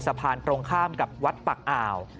สะพานตรงข้ามกับวัดปักอ่าว